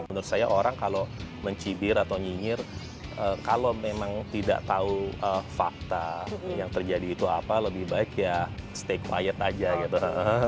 menurut saya orang kalau mencibir atau nyinyir kalau memang tidak tahu fakta yang terjadi itu apa lebih baik ya stake aja gitu